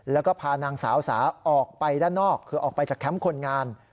แล้วก็พานางสาวสาออกไปด้านนอกคือออกไปจากแคมป์คนงาน